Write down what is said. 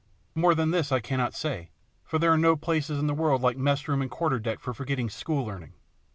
More than this I cannot say, for there are no places in the world like mess room and quarter deck for forgetting school learning.